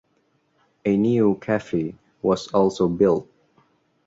A new cafe was also built.